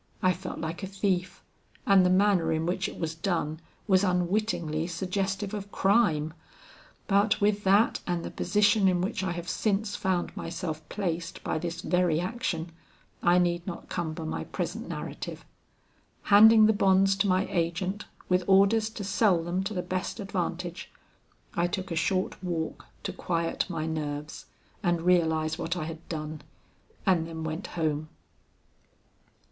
I felt like a thief, and the manner in which it was done was unwittingly suggestive of crime, but with that and the position in which I have since found myself placed by this very action, I need not cumber my present narrative. Handing the bonds to my agent with orders to sell them to the best advantage, I took a short walk to quiet my nerves and realize what I had done, and then went home.